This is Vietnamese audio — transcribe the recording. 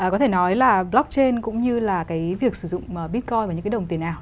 có thể nói là blockchain cũng như là cái việc sử dụng bitcoin và những cái đồng tiền ảo